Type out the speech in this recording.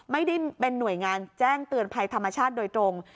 ไม่ได้เป็นหน่วยงานแจ้งเตือนภัยธรรมชาติโดยตรง